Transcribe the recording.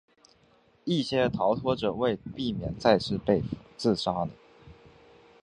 一些逃脱者为避免再次被俘自杀了。